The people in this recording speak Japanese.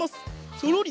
そろり。